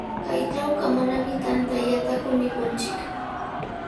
Kaytrawqa manami tantallataku mikunchik.